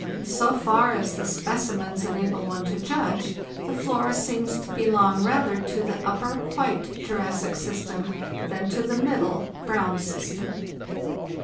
So far as the specimens enable one to judge, the flora seems to belong rather to the Upper (White) Jurassic system than to the Middle (Brown) system."